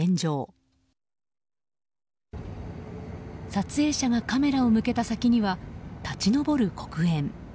撮影者がカメラを向けた先には立ち上る黒煙。